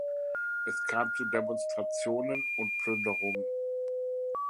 Es kam zu Demonstrationen und zu Plünderungen.